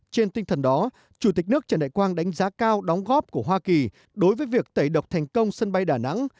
trên tinh thần đó chủ tịch nước trần đại quang đánh giá cao đóng góp của hoa kỳ đối với việc tẩy độc thành công sân bay đà nẵng